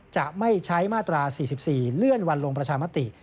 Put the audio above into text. จะไม่ใช้มาตรา๔๔เลื่อนวันลงประชามติ